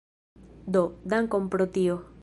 Do, dankon pro tio